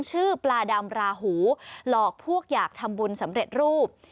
ชื่อปลาดำราหูหลอกพวกอยากทำบุญสำเร็จรูป